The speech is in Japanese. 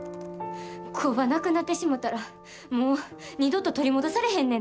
工場なくなってしもたらもう二度と取り戻されへんねんで。